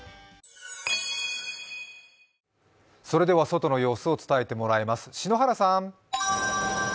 外の様子を伝えてもらいます、篠原さん。